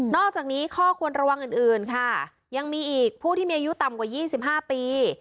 อกจากนี้ข้อควรระวังอื่นค่ะยังมีอีกผู้ที่มีอายุต่ำกว่า๒๕ปี